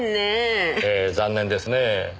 ええ残念ですねえ。